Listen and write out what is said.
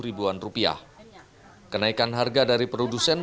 kenaikan harga dari produsen menjadi salah satu hal yang tidak bisa diperlukan